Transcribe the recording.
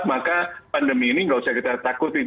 maka pandemi ini nggak usah kita takutin